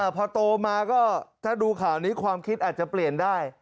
พอโตมาก็ถ้าดูข่าวนี้ความคิดอาจจะเปลี่ยนได้